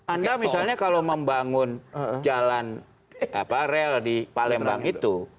anda misalnya kalau membangun jalan rel di palembang itu